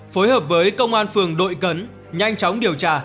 phối hợp với công an phường đội cấn nhanh chóng điều tra